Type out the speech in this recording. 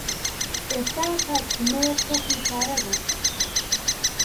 ئێستا کاتژمێر شەش و چارەگە.